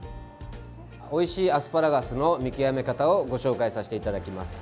おいしいアスパラガスの見極め方をご紹介させていただきます。